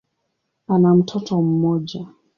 Ana mtoto mmoja.